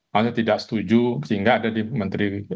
maksudnya tidak setuju sehingga ada di menteri